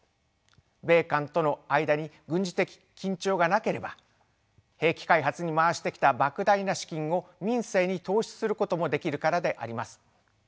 米韓との間に軍事的緊張がなければ兵器開発に回してきたばく大な資金を民生に投資することもできるからであります。